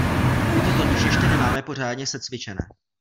My to totiž ještě nemáme pořádně secvičené.